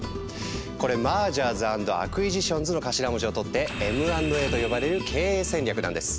これ「ＭｅｒｇｅｒｓａｎｄＡｃｑｕｉｓｉｔｉｏｎｓ」の頭文字を取って「Ｍ＆Ａ」と呼ばれる経営戦略なんです。